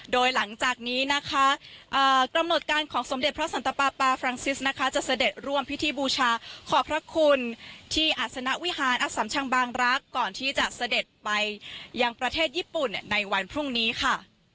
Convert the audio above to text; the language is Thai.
โดยหลังจากนี้นะคะกำหนดการของสมเด็จพระสันตปาปาฟรังซิสนะคะจะเสด็จร่วมพิธีบูชาขอบพระคุณที่อาศนวิหารอสัมชังบางรักษ์ก่อนที่จะเสด็จไปยังประเทศญี่ปุ่นในวันพรุ่งนี้ค่ะ